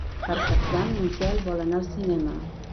Per Cap d'Any en Quel vol anar al cinema.